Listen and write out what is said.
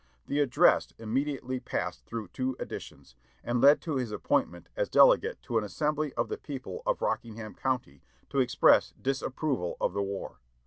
The address immediately passed through two editions, and led to his appointment as delegate to an assembly of the people of Rockingham County, to express disapproval of the war.